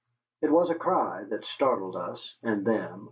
It was a cry that startled us and them.